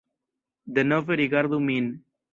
Denove rigardu min.